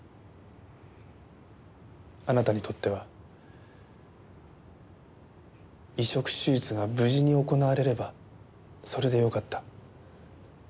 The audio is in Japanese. あなたにとっては移植手術が無事に行われればそれでよかった。